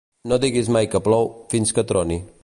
No diguis mai que plou, fins que troni.